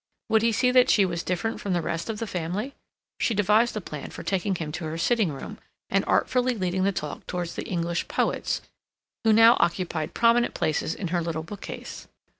_ Would he see that she was different from the rest of the family? She devised a plan for taking him to her sitting room, and artfully leading the talk towards the English poets, who now occupied prominent places in her little bookcase.